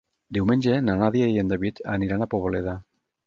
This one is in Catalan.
Diumenge na Nàdia i en David aniran a Poboleda.